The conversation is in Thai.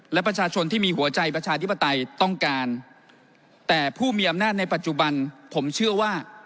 และประชาชนที่มีหัวใจประชาธิปไตยต้องการแต่ผู้มีอำนาจในปัจจุบันผมเชื่อว่า